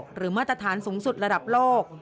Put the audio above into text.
มาตรฐานสูงสุดระดับโลก